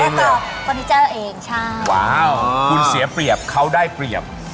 โชคความแม่นแทนนุ่มในศึกที่๒กันแล้วล่ะครับ